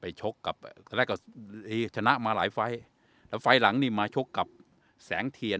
ชกกับตอนแรกก็เอชนะมาหลายไฟล์แล้วไฟล์หลังนี่มาชกกับแสงเทียน